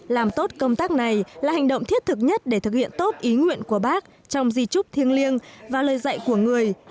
làm tốt công tác này là hành động thiết thực nhất để thực hiện tốt ý nguyện của bác trong di trúc thiêng liêng và lời dạy của người